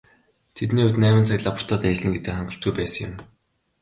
Тэдний хувьд найман цаг лабораторид ажиллана гэдэг хангалтгүй байсан юм.